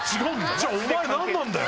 じゃあお前、何なんだよ。